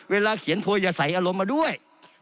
เวลาเขียนโพยอย่าใส่อารมณ์มาด้วย